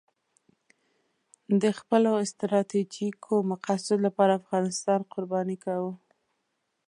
د خپلو ستراتیژیکو مقاصدو لپاره افغانستان قرباني کاوه.